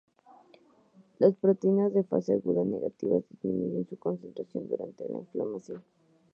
Las proteínas de fase aguda negativas disminuyen su concentración durante la inflamación.